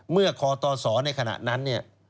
เมื่อคอตอสอในขณะนั้น